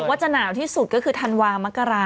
เธอบอกว่าจะหนาวที่สุดก็คือทานวามะกระ